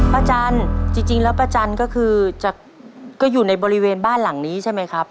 จันจริงแล้วป้าจันก็คือจะก็อยู่ในบริเวณบ้านหลังนี้ใช่ไหมครับ